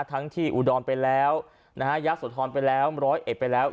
ทั้งที่อุดรไปแล้วนะฮะยะโสธรไปแล้วร้อยเอ็ดไปแล้ว